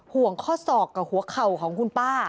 ห่วงข้อศอกกับหัวเข่าของคุณป้า